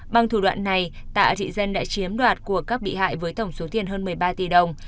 bằng thủ đoạn này tạ thị dân đã chiếm đoạt của các bị hại với tổng số tiền hơn một mươi ba tỷ đồng